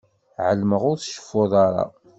Ɛelmeɣ ur tceffuḍ ara.